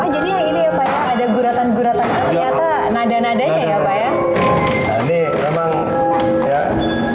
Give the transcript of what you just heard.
jadi ya ini ya pak ya ada guratan guratan